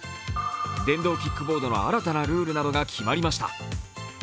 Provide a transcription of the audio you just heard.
電動キックボードの新たなルールなどが決まりました。